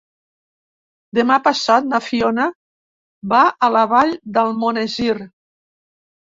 Demà passat na Fiona va a la Vall d'Almonesir.